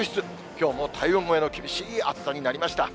きょうも体温超えの厳しい暑さになりました。